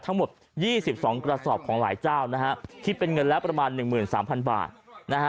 ทั้งหมด๒๒กระสอบของหลายเจ้านะฮะที่เป็นเงินแล้วประมาณ๑๓๐๐๐บาทนะฮะ